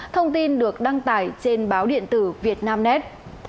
thông tin được đăng tải trên báo điện tử việt nam net